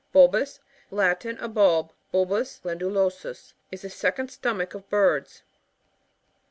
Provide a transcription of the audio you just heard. BoLBas. — Latin. A bulb, bulbus glandulosuSf is the second stomach of birds.